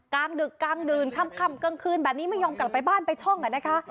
กลางดึกกลางดื่นค่ำกลางคืนแบบนี้ไม่ยอมกลับไปบ้านไปช่องอ่ะนะคะ